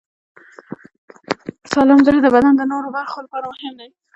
سالم زړه د بدن د نورو برخو لپاره مهم دی.